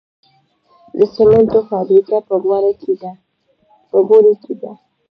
د سمنټو فابریکه په غوري کې ده